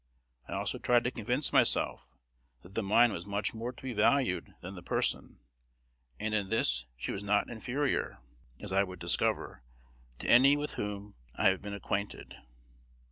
I also tried to convince myself that the mind was much more to be valued than the person; and in this she was not inferior, as I could discover, to any with whom I had been acquainted.